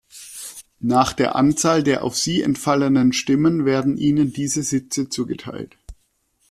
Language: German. Nach der Anzahl der auf sie entfallenen Stimmen werden ihnen diese Sitze zugeteilt.